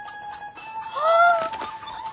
ああ！